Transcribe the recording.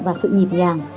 và sự nhịp nhàng